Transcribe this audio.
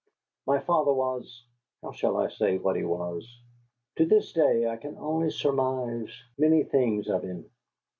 My father was how shall I say what he was? To this day I can only surmise many things of him.